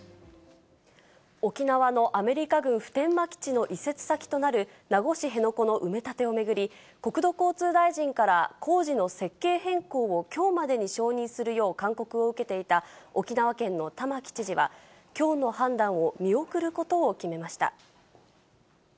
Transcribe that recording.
沖縄のアメリカ軍普天間基地の移設先となる名護市辺野古の埋め立てを巡り、国土交通大臣から工事の設計変更をきょうまでに承認するよう勧告を受けていた沖縄県の玉城知事は、きょうの判断を見送ることを決めました。